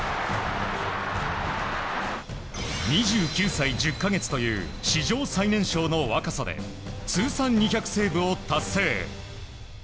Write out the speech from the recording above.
２９歳１０か月という史上最年少の若さで通算２００セーブを達成。